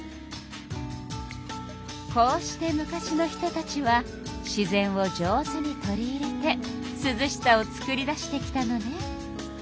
こうして昔の人たちは自然を上手に取り入れてすずしさをつくり出してきたのね。